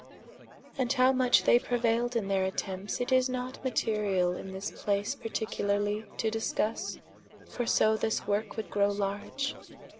And how much they preuailed in their attempts, it is not materiall in this place particularly to discusse, for so this worke would growe large.